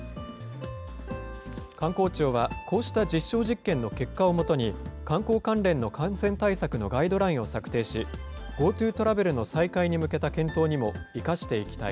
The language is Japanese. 観光庁はこうした実証実験の結果をもとに、観光関連の感染対策のガイドラインを策定し、ＧｏＴｏトラベルの再開に向けた検討にも生かしていきたい